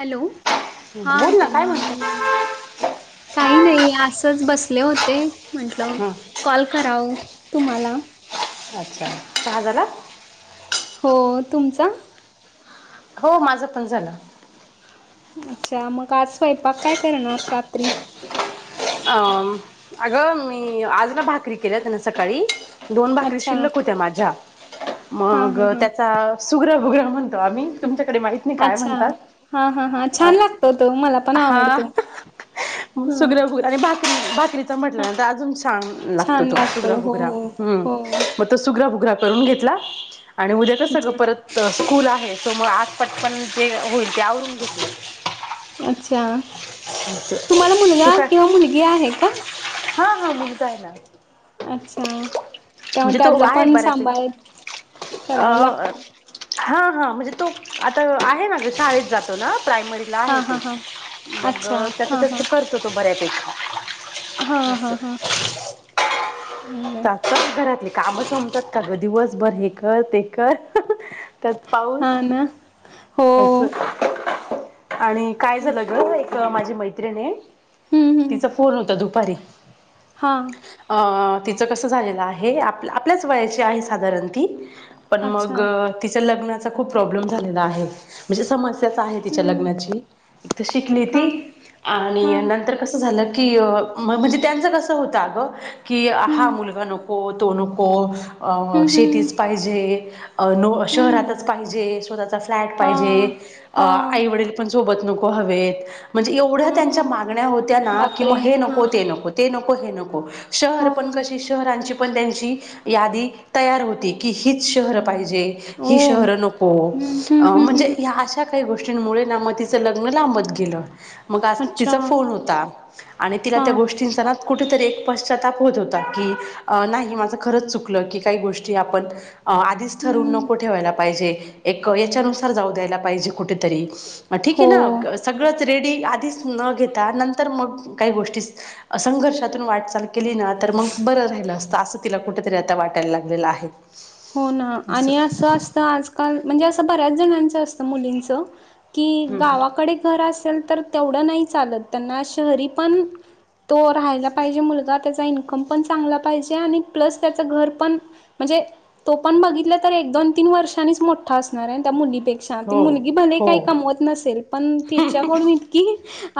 Hello हा बोल ना काय तलीम बोल म्हणते काही नाही असच बसले होते म्हंटलं. हां कॉल कराव तुम्हाला अच्छा का झाला हो तुमचा. हो माझं पण झालं. अच्छा मग आज स्वयंपाक काय करणार रात्री अं अगं मी आज ना भाकरी केल्या त्यांना सकाळी. दोन भाकरी अच्छा शिल्लक होत्या माझ्या हा मग हा हा त्याचा सुग्र हग्र म्हणत. आम्ही तुमच्याकडे माहित नाही काय अच्छा म्हणतात हा हा हा अ छान लागतो तो मला पण हा. आवडतो ह सुग्र आणि बाकरी बाकरीचा ह म्हटल्यानंतर अजून छान लागत छान तो लागतो खुबरा हो खुगरा हम्. हो हो मग त सुगरा फुगरा करून घेतला आणि उद्या तर सगळं अच्छा परत. स्कूल आहे सो मग आसपट पण जे होईल ते आववरून घेततील. अच्छा तुम्हाला मुलगा काय किंवा मुलगी आहे का? हा हा मुगता आहे ना. अच्छा तेव्हा म्हणजे तो त्यातलं आहे पण सांभाळ बऱ्यापैकी अ करावं लागतं हा हा म्हणजे तो आता आहे ना शाळेत जातो ना प्रायमरी ला हा आहे तो हा हा मग अच्छा हा त्याचं हा त्यास करतो तो बऱ्यापेक्षा हा हा हा चांगलंय तताच घरातली. काम समजात का ग दिवसभर हे कर ते कर. त्यात पाऊस हा ना हो असं. आणि काय हम्म झालं ग एक माझी मैत्रिणी हम्म तिचा फोन होता दुपारी. हां अ तिचं कसं झालेलं आहे आप आपल्याच वयाची आहे साधारण ती पण अच्छा मग तिच्या लग्नाचा खूप प्रॉब्लेम झालेला आहे म्हणजे समज. त हम्म लग्नाचीथ शिकली त का हा आणि न झा की म्हणजे त्यांच कस होत अग की हा हम्म मुलगा नो तो नुको अ हम्म हम्म शेतीच पाहिजे. नो हम्म शहरातच पाहिजे स्वतःचा फ्लॅट हा पाहिजे हा आईवडील ो म्हणव हा मागण्या होत्या. बापरे हा नको ते नको हे नको शर हा पण क शहरांची पल्ल्यांची यादी तयार होती की हीच शहरं पाहिजे. ओ ही शहर नको हम्म हम्म हम्म हम्म म्हणजेशा गोष्टींमुळे मग ति लग्न लांबत गे ति अच्छा फोन होत. आणि तिला हा त्या गोष्टींचा ना कुठेतरी एक पश्चाताप होत होता की नाही माझं खरंच चुकलं की काही गोष्टी आपण. आधीच थरून हम्म नको ठेवायला पाहिजे एक याच्यानुसार जाऊ द्यायला पाहिजे कुठेतरी ग ठीक आहे हो ना सगळंच रेडी आधीच न घेता नंतर मग काही गोष्टीस. संघर्षातून वाटचाल केली ना तर मग बरं राहिलं असतं असं तिला कुठेतरी आता वाटायला लागलेलं आहे. हो ना आणि असं असतं आजकाल म्हणजे असं बऱ्याच जणांचं असतं मुलींचं. कि हम्म. गावाकडे घर असेल तर तेवढं नाही चालत त्यांना शहरी पण तो राहायला पाहिजे मुलगा त्याचा इन्कम पण चांगला पाहिजे आणि प्लस त्याचं घर पण. म्हणजे तो पण बघितलं तर एक दोन तीन वर्षांनीच मोठा असणार आहे त्या मुलीपेक्षा छ ती हो मुलगी भले हो काही कमवत नसेल पण त्यािच्याकडून की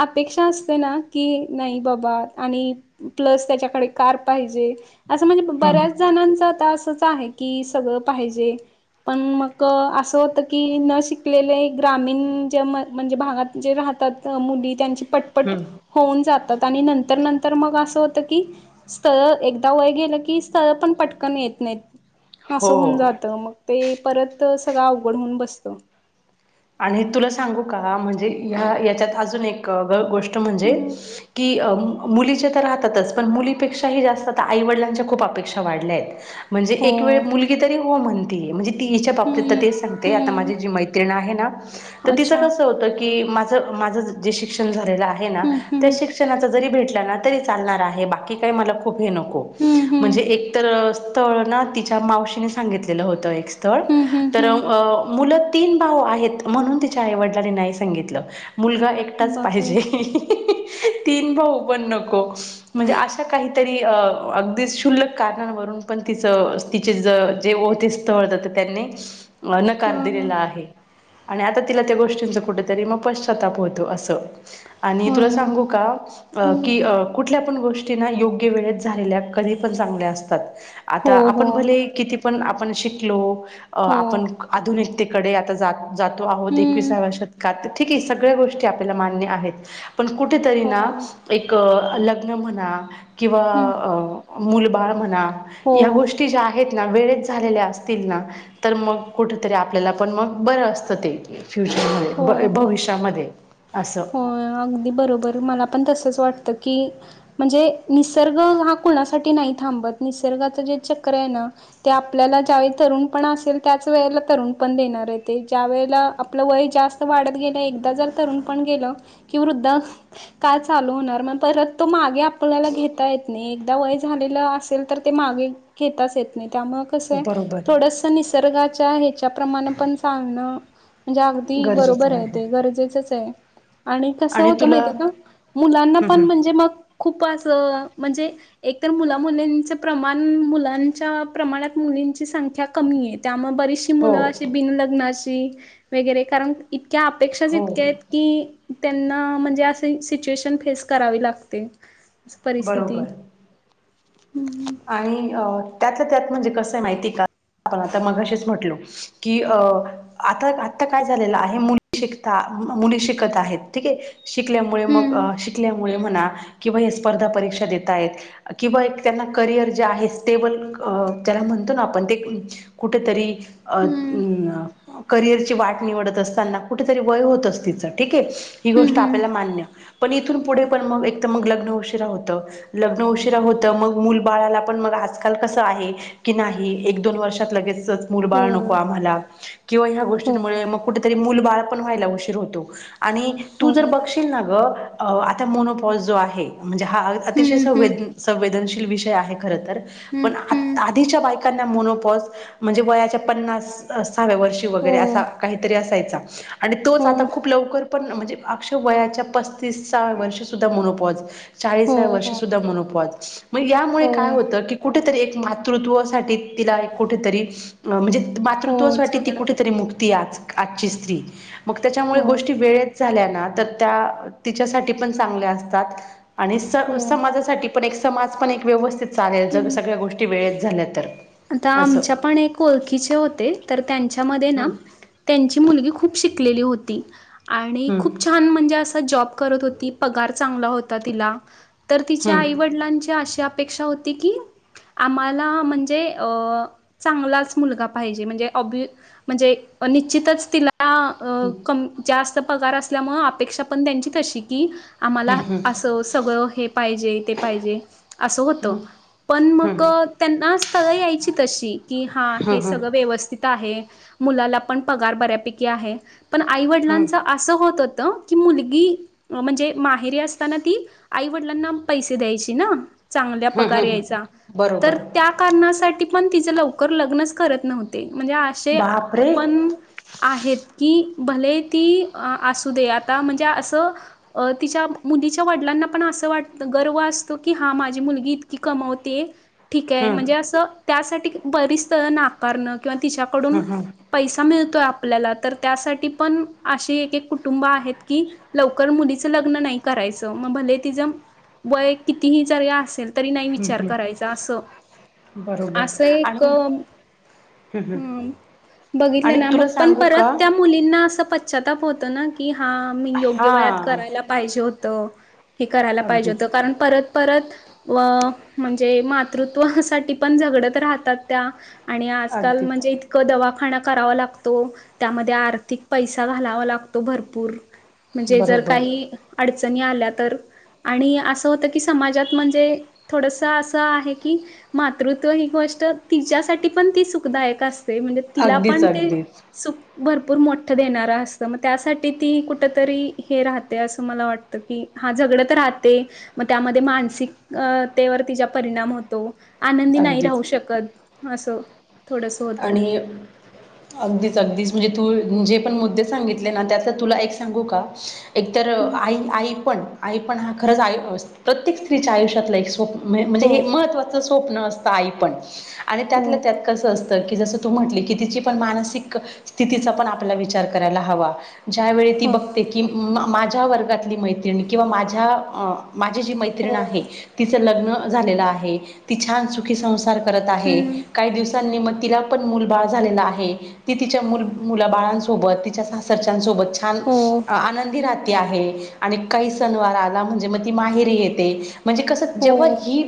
अपेक्षा असते ना की नाही बाबा आणि प्लस त्याच्याकडे कार पाहिजे असं म्हणजे हम्म बऱ्याच जणांच आता असंच आहे. की सगळं पाहिजे. पण मग असं होतं की न शिकलेले ग्रामीण ज्या म म्हणजे भागात जे राहतात मुली त्यांची पटपट हम्म होऊन जातात आणि नंतर नंतर मग असं होत की स्थळ एकदा वय गेलं की स्थळ पण पटकन येत नाहीत. असं होऊन हो जात मग ते परत सगळं अवघड होऊन बसत. आणि तुला सांगू का म्हणजे ह याच्यात अजून एक ग गोष्ट म्हणजे हम्म की मुलीचे तर राहतातच, पण मुलीपेक्षाही जास्त आता आईवडिलांच्या खूप अपेक्षा वाढल्यायेत. म्हणजे हो एक वेळ मुलगी तरी हो म्हणते. म्हणजे ती हीच्या बाबतीत हम्म तर तेच सांगते आता हम्म माझी जी मैत्रीण आहे. ना अच्छा कस होत ना माझ माझ उच्च उच्च शिक्षण झालेलं आहे ना हम्म त्या हम्म शिक्षणाचा जरी भेटला ना तरी चालणार बाकी काय मला खूप हे नको हम्म हम्म म्हणजे एक तर स्थळ ना तिच्या मावशीने सांगितलेलं होतं एक स्थळ हम्म हम्म तर हम्म मुलं तीन भाऊ आहेत म्हणून तिच्या आईवडिलानी नाही म्हणून सांगितलं. मुलगा एकटाच बापरे पाहिजे. ही ही. तीन भाऊ पण नको म्हणजे अशा काही तरी अ अगदीच शुल्लक कारणांवरून पण तिचं तिचे ज जे [unintelligible] स्थळ होत, त्यांनी हा नकार हा दिलेला आहे. आणि आता तिला त्या गोष्टींच कुठेतरी मग पश्चाताप होतो. असं आणि हो तुला ना सांगू अ का हम्म की अ कुठल्या पण गोष्टी ना, योग्य वेळेत झालेल्या कधी पण चांगल्या असतात. हो आता हो आपण भले कितीही पण आपण शिकलो. हो आपण आधुनिकतेकडे आता जा जातो आहोत हं. एकविसाव्या शतकात ठीके सगळ्या गोष्टी आपल्याला मान्य आहेत. पण कुठेतरी हो. ना एक लग्न म्हणा किंवा हं. मुलं बाळ म्हणा हो. या गोष्टी ज्या आहेत ना वेळच झालेल्या असतील ना तर मग कुठतरी आपल्याला पण मग बर अस ते हो, [unintelligible] हो. भविष्यामध्ये असं होय अगदी बरोबर मला पण तसंच वाटतं की म्हणजे निसर्ग हा कोणासाठी नाही थांबत निसर्गाचं जे चक्र आहे ना ते आपल्याला ज्यावेळी तरुण पण असेल त्याच वेळेला तरुण पण देणार आहे. ते ज्या वेळेला आपलं वय जास्त वयं वाढत गेलं एकदा जर तरुण पण गेल की वृद्ध काळ चालू होणार मग परत तो मागे आपल्याला घेता येत नाही. एकदा वय झालेलं असेल तर ते मागे घेताच येत नाही त्या मग स बरोबर थोडस निसर्गाच्या हेच्या प्रमाणं पण चालण म्हणजे ती बरोबर आहे ते गरजेचच आहे. आणि कसं होत तुला माहितये का हम्म, मुलांना पण हम्म. म्हणजे मग खूपं अस म्हणजे एक तर मुला, मुलींच प्रमाण मुलांच्या प्रमाणात मुलींची संख्या कमी आहे. त्यामुळ बरीशी हो मुल अशी बिनलग्नाची वगैरे कारण इतक्या अपेक्षाच हो इतक्या आहेत. कि त्यांना म्हणजे अस सिच्युएशन फेस करावी लागते. परिस्थिती बरोबर! आणि त्यातलं त्यात म्हणजे कसं आहे माहिती का, आता मगाशीच म्हटलो. कि अं आता आत्ता काय झालेलं आहे, मुली शिकता मुली शिकत आहेत ठीक आहे. शिकल्यामुळे मग हम्म शिकल्यामुळे म्हणा किंवा ह्या स्पर्धा परीक्षा देतायेत. किंवा एक त्यांना करिअर जे आहे स्टेबल त्याला म्हणतो ना आपण ते कुठेतरी अ हम्म अ करिअरची वाट निवडत असताना कुठेतरी वय होतच तिचं ठीकये. ही हम्म गोष्ट हम्म आपल्याला मान्य पण इथून पुढे पण मग एक तर मग लग्न उशीरा होतं. लग्न उशिरा होतं मग मूल बाळाला पण मग आजकाल कसं आहे. कि नाही एक, दोन वर्षात लगेचच मुल, बाळ नको हो आम्हाला किंवा ह्या हो गोष्टींमुळे मग कुठ तर मुल बाळ व्हायला पण उशीर होतो, आणि तू हो जर बघशील ना ग आता मोनोपॉस जो आहे. म्हणजे हा अतिशय हम्म संवे हम्म संवेदनशील विषय आहे खर तर हम्म पण आ हम्म आधीच्या बायकांना मनोपॉस म्हणजे वयाच्या पन्नास साहव्या वर्षी हो वगैरे असा काहीतरी असायचा आणि तोच हो आता खूप लवकर पण म्हणजे अक्षुब वयाच्या पस्तीसव्या वर्षी सुद्धा मुलंपॉज हो चाळीसाव्या वर्षी हो सुद्धा मनोपाँज म यामुळे काय हो होतं, की कुठेतरी एक मातृत्वासाठी तिला एक कुठेतरी अ म्हणजे हो मातृत्वासाठी ती झगडं कुठेतरी मुक्ती आज आजची स्त्री मग त्याच्यामुळे हो गोष्टी वेळेत झाल्या ना तर त्या तिच्यासाठी पण चांगल्या असतात. आणि [unintelligible] हो समाजासाठी पण एक समाज पण एक व्यवस्थित चालेल ज हम्म सगळ्या गोष्टी वेळेत झाल्या तर आता असं आमच्या पण एक ओळखीचे होते तर त्यांच्यामध्ये ना. हम्म त्यांची मुलगी खूप शिकलेली होती आणि हम्म खूप छान म्हणजे असं. जॉब करत होती पगार चांगला होता तिला तर तिच्या हम्म आईवडलांची अशी अप पेक्षा होती की आम्हाला म्हणजे चांगलाच मुलगा पाहिजे म्हणजे [unintelligible] म्हणजे निश्चितच तिला हम्म कम जास्त पगार असल्यामुळ अपेक्षा पण त्यांची तशी की आम्हाला हम्म हम्म असं सगळं हे पाहिजे ते पाहिजे असं होतं. हम्म पण मग हम्म त्यांना यायची तशी की हा हे हम्म हम्म सगळं व्यवस्थित मुलाला पण पगार बर्या पैकी आहे, पण आईवडिलांच हम्म असं होत होतं की मुलगी म्हणजे माहेरी असताना ती आईवडिलांना पैसे द्यायची ना. चांगला हम्म पगार यायचा हम्म तर बरोबर त्या कारणासाठी पण तिच लवकर लग्नच करत नव्हते म्हणजे असे बापरे पण आहेत की भले ती असू दे आता म्हणजे असं. अ तिच्या मुलीच्या वडिलांना पण असं वाटत गर्व असतो की हा माझी मुलगी इतकी कमवते. ठीक आहे हम्म म्हणजे असं त्यासाठी बरीच स्थळं नाकारणं किंवा तिच्याकडून हम्म हम्म पैसा मिळतोय आपल्याला तर त्यासाठी पण अशी एक एक कुटुंब आहेत की लवकर मुलीचं लग्न नाही, करायचं मग भले तिचं वय कितीही जरी असेल. तरी नाही हम्म विचार हम्म करायचा अस बरोबर असं एक. आणि हम्म हम्म ह बघितलं आणि ना मग तुला पण सांगू परत का त्या मुलींना असं पश्चाताप होतो ना की हां मी योग्य हा वयात करायला पाहिजे होतं. हे करायला पाहिजे अगदीच होतं कारण परत परत अ म्हणजे मातृत्वा साठी पण झगडत राहतात त्या आणि आजकाल अगदीच म्हणजे इतका दवाखाना करावा लागतो, त्यामध्ये आर्थिक पैसा घालावा लागतो भरपूर म्हणजे जर बरोबर काही अडचणी आल्या तर आणि असं होतं की समाजात म्हणजे थोडसं असं आहे. कि मातृत्व ही गोष्ट तिच्यासाठी पण ती सुखदायक असते. म्हणजे तिला अगदीच पण ते अगदीच सुख. भरपूर मोठं देणारं असतं, मग त्यासाठी ती कुठतरी हे राहते असं मला वाटतं. हा झगडत राहते म त्यामध्ये मानसिकतेवरती तिच्या परिणाम होतो. आनंदी नाही अगदीच राहू शकतं असं. थोडंसं होतं आणि अगदीच अगदीच म्हणजे तू जे पण मुद्दे सांगितले ना त्यातला तुला एक सांगू का? एकतर हं. आई आई पण आई पण हा खरंच आयु प्रत्येक स्त्रीच्या आयुष्यातलं एक स्वप्नं म्हणजे हो हे महत्त्वाचं स्वप्न असतं आई पण आणि हो त्यातल्या त्यात कसं असतं. की जसं तू म्हटली की तिची पण मानसिक स्थितीचा पण आपला विचार करायला हवा. ज्यावेळी ती हो बघते की माझ्या वर्गातली मैत्रिणी किंवा माझ्या माझी जी मैत्रिण हो आहे तिचं लग्न झालेलं आहे ती छान सुखी संसार करतं आहे हम्म काही दिवसांनी. तिला पण मुलं बाळ झालेलं आहे, ती तिच्या मुलं मुलाबाळांसोबत तिच्या सासरच्यासोबत छान! हो आनंदी राहत ती आहे आणि काही सणवार आला म्हणजे, म ती माहेरी येते म्हणजे कसं? हो जेव्हा ही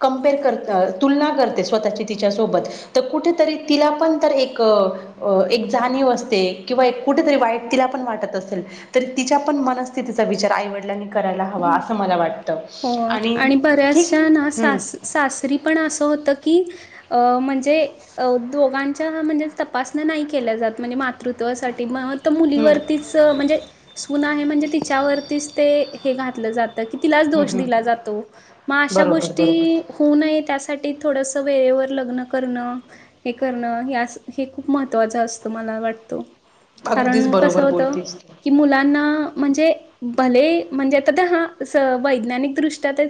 कम्पेअर करत अ तुलना करते, स्वतःची तिच्या सोबत त कुठेतरी तिला पण तर एक जाणीव असते, किंवा एक कुठेतरी वाईट तिला पण वाट़तं असलं, तिच्या पण मनस्थितीचा विचार आई वडीलांनी करायला हवा हं. असं मला वाटत. हो आणि बऱ्याचशा ना हम्म सासरी पण असं होत? की अ म्हणजे अ दोघांच्या म्हणजे तपासण्या नाही केल्या जात. म्हणजे. मातृत्वासाठी म त मुली हम्म वरतीच म्हणजे सुन आहे म्हणजे, तिच्या वरतीच ते हे घातलं जातं की तीला. हम्म हम्म दिला जातो, म आशा बरोबर गोष्टी बरोबर होऊ नये त्यासाठी त्यासाठी थोडसं वेळेवर लग्न करणं हे करणं हे हे खूप महत्त्वाचं असतं मला वाटतं. अगदीच कारण कसं बरोबर होतं? बोलतीस तू की मुलांना म्हणजे, भले म्हणजे आता ते हा वैज्ञानिक दृष्ट्यांतर